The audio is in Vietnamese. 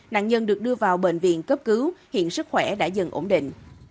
nạn nhân được đưa vào bệnh viện cấp cứu hiện sức khỏe đã dần ổn định